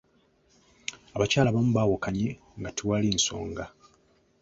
Abakyala abamu baawukanye nga tewali nsonga.